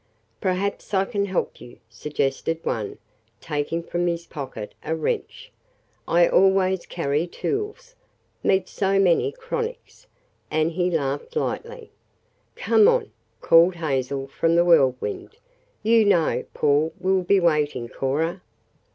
"Perhaps I can help you," suggested one, taking from his pocket a wrench. "I always carry tools meet so many 'chronics,'" and he laughed lightly. "Come on," called Hazel from the Whirlwind. "You know, Paul will be waiting, Cora."